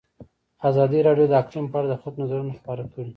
ازادي راډیو د اقلیم په اړه د خلکو نظرونه خپاره کړي.